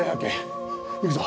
行くぞ！